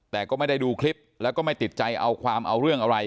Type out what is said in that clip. แต่ก็ไม่ได้ดูคลิปแล้วก็ไม่ติดใจเอาความเอาเรื่องอะไร